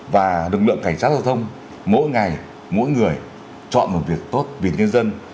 và lực lượng cảnh sát giao thông mỗi ngày mỗi người chọn một việc tốt vì nhân dân